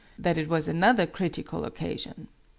" that it was another critical occasion.